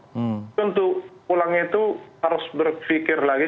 jadi untuk pulangnya itu harus berpikir lagi